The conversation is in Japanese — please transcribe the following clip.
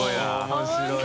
面白い！